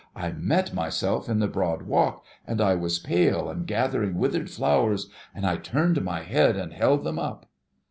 I met myself in the broad walk, and I was pale and gathering withered flowers, and I turned my head, and held them up